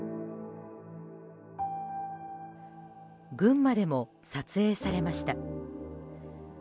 群馬でも撮影されました。